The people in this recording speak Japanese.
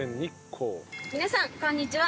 皆さんこんにちは。